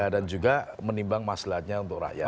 dan juga menimbang masalahnya untuk rakyat